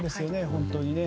本当に。